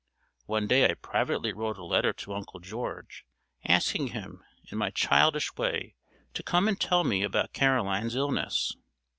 One day I privately wrote a letter to Uncle George, asking him, in my childish way, to come and tell me about Caroline's illness.